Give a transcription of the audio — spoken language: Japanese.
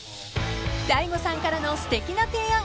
［大悟さんからのすてきな提案］